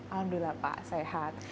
alhamdulillah pak sehat